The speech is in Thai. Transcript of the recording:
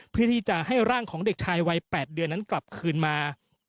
เพื่อที่จะให้ร่างของเด็กชายวัย๘เดือนนั้นกลับคืนมา